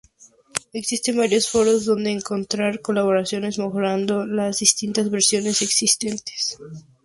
Existen varios foros donde encontrar colaboraciones mejorando las distintas versiones existentes.